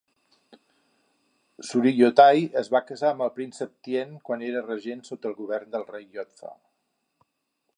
Suriyothai es va casar amb el príncep Tien quan era regent sota el govern del rei Yodfa.